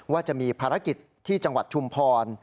ว่าจะมีภารกิจที่จังหวัดชุมพร